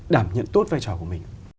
đảm nhận tốt vai trò của mình